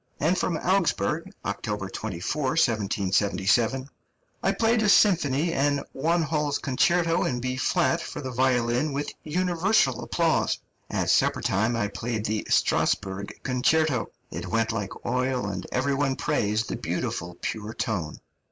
And from Augsburg (October 24, 1777): "I played a symphony and Wanhall's Concerto in B flat for the violin with universal applause. At supper time I played the Strasburg Concerto. It went like oil, and every one praised the beautiful, pure tone."